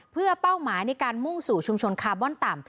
เพื่อเป้าหมายในการมุ่งสู่ชุมชนคาร์บอนต่ำ